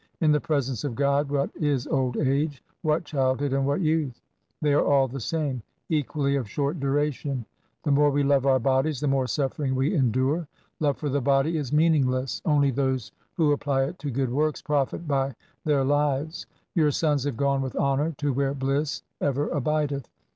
In the presence of God what is old age, what childhood, and what youth ? They are all the same — equally of short duration. The more we love our bodies, the more suffering we endure. Love for the body is meaningless. Only those who apply it to good works profit by their lives. Your sons have gone with honour to where bliss ever abideth.